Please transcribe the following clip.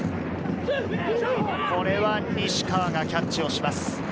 これは西川がキャッチをします。